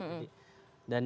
dan yang pertama tentu